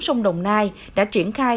sông đồng nai đã triển khai